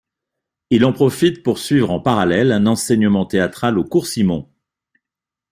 Il en profite pour suivre en parallèle un enseignement théâtral au cours Simon.